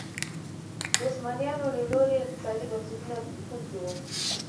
د عثمانیانو له لوري اقتصادي بنسټونه زبېښونکي وو.